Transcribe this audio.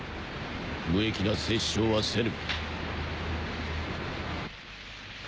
無益な殺生はせぬ。